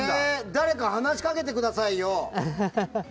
誰か話しかけてくださいよ。